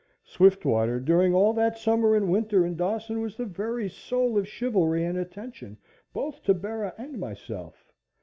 Swiftwater during all that summer and winter in Dawson was the very soul of chivalry and attention both to Bera and myself.